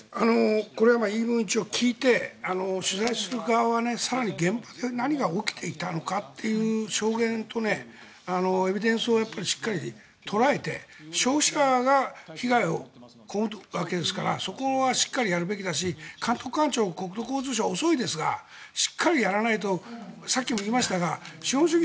これは言い分を一応聞いて取材する側は更に現場で何が起きていたのかという証言とエビデンスをしっかり捉えて消費者が被害を被っているわけですからそこはしっかりやるべきだし監督官庁の国土交通省は遅いですが、しっかりやらないとさっきも言いましたが資本主義